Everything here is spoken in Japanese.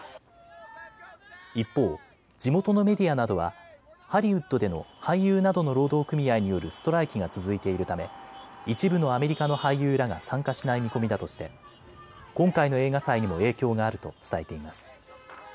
一方、地元のメディアなどはハリウッドでの俳優などの労働組合によるストライキが続いているため一部のアメリカの俳優らが参加しない見込みだとして今回の映画祭にも影響があると伝えています。